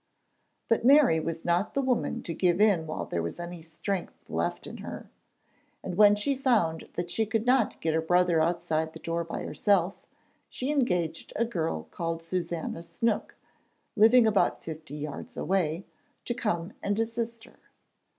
But Mary was not the woman to give in while there was any strength left in her, and when she found that she could not get her brother outside the door by herself, she engaged a girl called Susannah Snook, living about fifty yards away, to come and assist her.